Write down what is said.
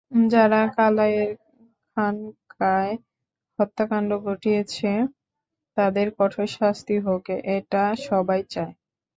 যারা কালাইয়ের খানকায় হত্যাকাণ্ড ঘটিয়েছে, তাদের কঠোর শাস্তি হোক, এটা সবাই চায়।